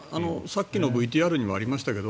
さっきのＶＴＲにもありましたが